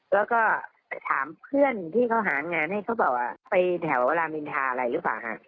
แล้วก็ไปถามเพื่อนที่เขาหางานให้เขาบอกว่าไปแถวรามอินทาอะไรหรือเปล่าฮะ